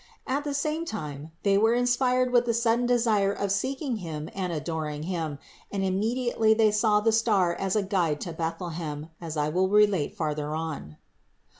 At the same time they were inspired with the sudden desire of seek ing Him and adoring Him and immediately they saw the star as a guide to Bethlehem, as I will relate farther on.